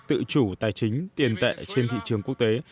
tự chủ tài chính tiền tệ trên thị trường quốc tế